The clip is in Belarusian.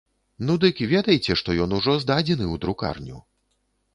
Ну дык ведайце, што ён ужо здадзены ў друкарню.